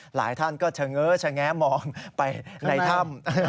หลายท่านก็เฉง้ามองไปในถ้ำ